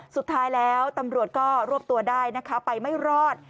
สุดท้ายแล้วตำรวจก็รวบตัวได้นะคะไปไม่รอด